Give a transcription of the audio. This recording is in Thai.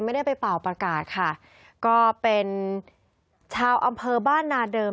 ไม่ได้ไปเป่าประกาศค่ะก็เป็นชาวอำเภอบ้านนาเดิม